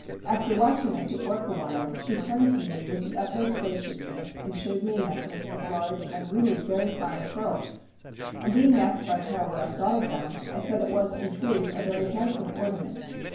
After watching us at work a while, she turned to me with the utmost graciousness, and showed me a necklace of large and really very fine pearls. On being asked by her what I thought of them, I said it was in truth a very handsome ornament.